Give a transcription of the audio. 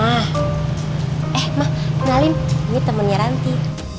eh ma kenalin ini temennya ranti